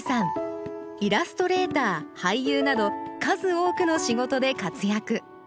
イラストレーター俳優など数多くの仕事で活躍